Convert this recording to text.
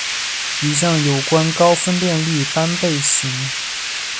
一项有关高分辨率单倍型。